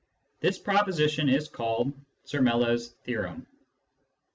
This proposition is called " Zermelo's theorem."